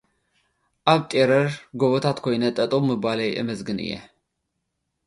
ኣብ ጤረር ጎቦታት ኮይነ ጠጠው ምባለይ አመስግን እየ።